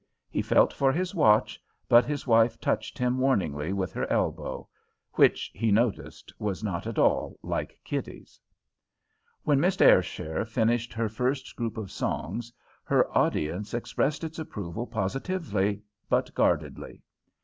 He felt for his watch, but his wife touched him warningly with her elbow which, he noticed, was not at all like Kitty's. When Miss Ayrshire finished her first group of songs, her audience expressed its approval positively, but guardedly.